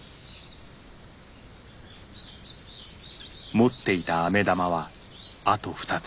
持っていたアメ玉はあと２つ。